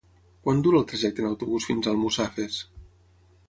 Quant dura el trajecte en autobús fins a Almussafes?